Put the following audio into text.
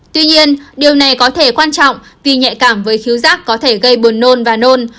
tuy nhiên điều này có thể quan trọng vì nhạy cảm với thiếu rác có thể gây buồn nôn và nôn